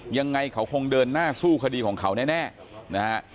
ยังไงเขาคงเดินหน้าสู้คดีของเขาแน่นะฮะ